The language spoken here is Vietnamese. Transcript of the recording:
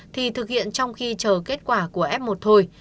thì thực hiện trong khi chờ kết quả của f một thôi